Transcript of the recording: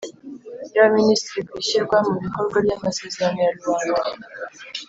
y’abaminisitiri ku ishyirwa mu bikorwa ry’amasezerano ya luanda.”